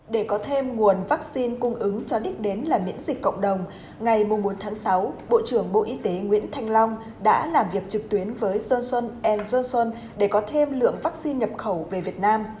để có thêm nguồn vắc xin cung ứng cho đích đến là miễn dịch cộng đồng ngày bốn bốn sáu bộ trưởng bộ y tế nguyễn thanh long đã làm việc trực tuyến với johnson johnson để có thêm lượng vắc xin nhập khẩu về việt nam